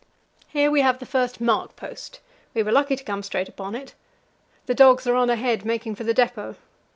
" Here we have the first mark post; we were lucky to come straight upon it. The dogs are on ahead, making for the depot.